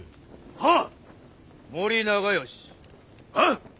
はっ。